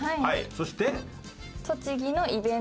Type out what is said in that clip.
そして？